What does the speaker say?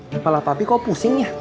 kepala pabrik kok pusing ya